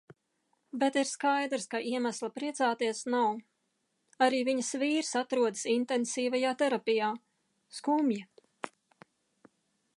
Bet ir skaidrs, ka iemesla priecāties nav. Arī viņas vīrs atrodas intensīvajā terapijā. Skumji.